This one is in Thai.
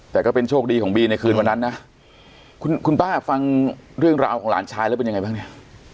แต่ก็เป็นโชคดีของบีในคืนวันนั้นนะคุณคุณป้าฟังเรื่องราวของหลานชายแล้วเป็นยังไงบ้างเนี่ย